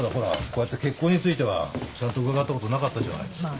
こうやって結婚についてはちゃんと伺ったことなかったじゃないですか。